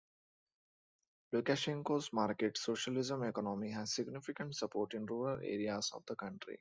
Lukashenko's market socialism economy has significant support in rural areas of the country.